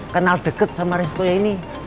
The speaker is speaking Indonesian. kenal deket sama resto ya ini